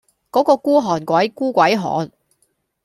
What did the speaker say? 果個孤寒鬼孤鬼寒